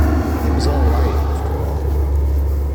It was all right, after all.